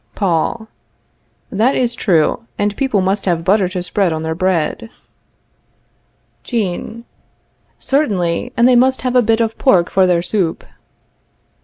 Paul. That it is true, and people must have butter to spread on their bread. Jean. Certainly. And they must have a bit of pork for their soup.